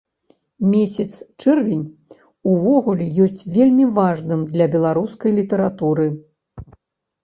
Месяц чэрвень увогуле ёсць вельмі важным для беларускай літаратуры.